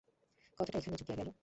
কথাটা এইখানেই চুকিয়া গেল।